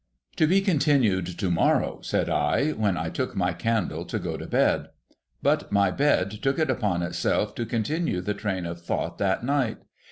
' To be continued to morrow,' said I, when I took my candle to go to bed. But my bedtook it upon itself to continue the train of thought that night.